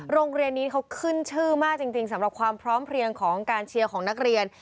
โรงเรียนนี้เขาขึ้นชื่อมากจริงสำหรับความพร้อมเพลียงของการเชียร์ของนักเรียน